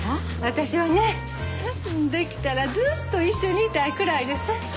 私はねできたらずっと一緒にいたいくらいです。